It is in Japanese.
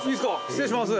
失礼します。